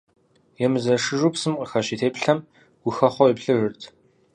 Емызэшыжу псым къыхэщ и теплъэм гухэхъуэу еплъыжырт.